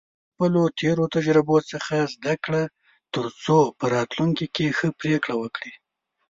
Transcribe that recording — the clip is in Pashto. له خپلو تېرو تجربو څخه زده کړه، ترڅو په راتلونکي کې ښه پریکړې وکړې.